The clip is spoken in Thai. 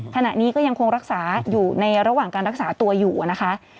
ขณะนี้ก็ยังคงรักษาอยู่ในระหว่างการรักษาตัวอยู่นะคะ